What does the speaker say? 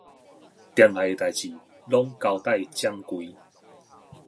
店內的代誌攏交代掌櫃